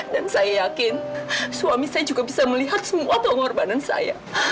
dan saya yakin suami saya juga bisa melihat semua pengorbanan saya